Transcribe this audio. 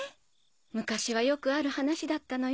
昔はよくある話だったのよ。